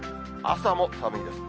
朝も寒いです。